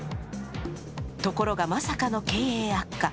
ところが、まさかの経営悪化。